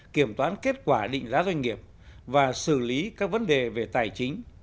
kiểm toán kết quả định giá doanh nghiệp và xử lý các vấn đề về tài chính